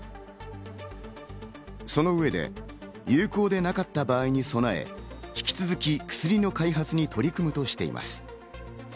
その上で有効でなかった場合に備え、引き続き薬の開発に取り組むとしています。